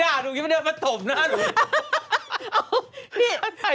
ด่าหนูไว้เดินมาจบหน้าหนู